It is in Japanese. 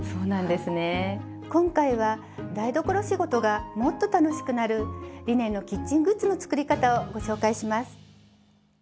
今回は台所仕事がもっと楽しくなるリネンのキッチングッズの作り方をご紹介します。